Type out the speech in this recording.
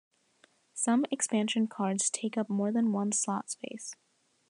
Some expansion cards take up more than one slot space.